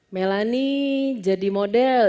melani jadi model